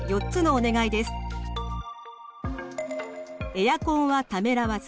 エアコンはためらわず。